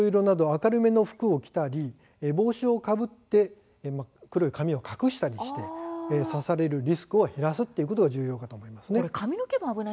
ですので白など明るめの色の服を着たり帽子をかぶって黒い髪を隠したりして刺されるリスクを減らすことが重要だと思います。